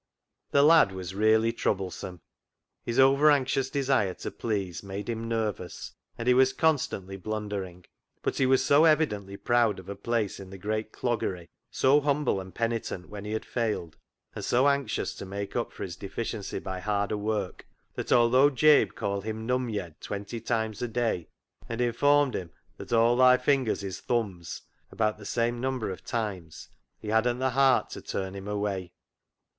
The lad was really troublesome. His over anxious desire to please made him nervous, and he was constantly blundering, but he was so evidently proud of a place in the great cloggery, so humble and penitent when he had failed, and so anxious to make up for his deficiency by harder work, that although Jabe called him " num yed " twenty times a day, and informed him that " all thy fingers is thoombs " about the same number of times, he hadn't the heart to turn him away.